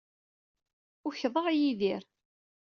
Ukḍeɣ Yidir.